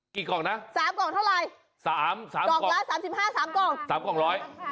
กี่กล่องนะ๓กล่องเท่าไหร่๓๓กล่องละ๓๕๓กล่อง๓กล่องร้อย